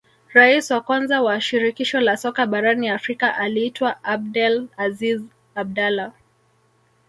rais wa kwanza wa shirikisho la soka barani afrika aliitwa abdel aziz abdalah